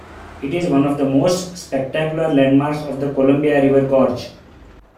It is one of the most spectacular landmarks of the Columbia River Gorge.